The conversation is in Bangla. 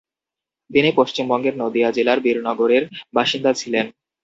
তিনি পশ্চিমবঙ্গের নদীয়া জেলার বীরনগরের বাসিন্দা ছিলেন।